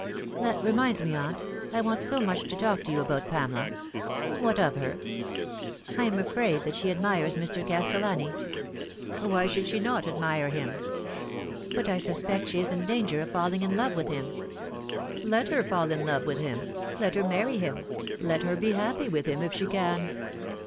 " That reminds me, aunt, I want so much to talk to you about Pamela." " What of her ?"" I am afraid that she admires Mr. CastellanL" " Why should she not admire him ?" "But I suspect she is in danger of falling in love with him." " Let her fall in love with him let her marry him let her be happy with him if she can."